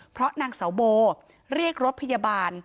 เพราะนางเสาโบเรียกรถพยาบาล